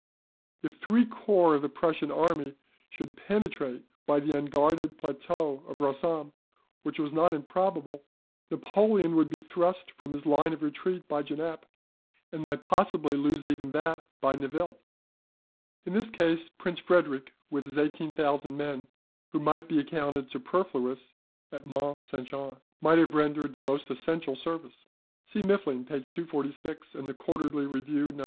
If three corps of the Prussian army should penetrate by the unguarded plateau of Rossomme, which was not improbable, Napoleon would be thrust from his line of retreat by Genappe, and might possibly lose even that by Nivelles. In this case Prince Frederick with his 18,000 men (who might be accounted superfluous at Mont St. Jean), might have rendered the most essential service." See Muffling, p. 246 and the QUARTERLY REVIEW, No.